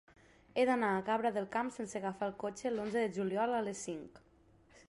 He d'anar a Cabra del Camp sense agafar el cotxe l'onze de juliol a les cinc.